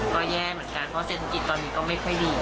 ก็แย่เหมือนกันเพราะเศรษฐกิจตอนนี้ก็ไม่ค่อยดี